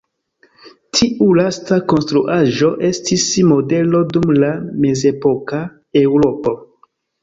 Tiu lasta konstruaĵo estis modelo dum la mezepoka Eŭropo.